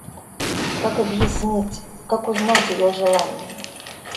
Как объяснить... как узнать ее желание?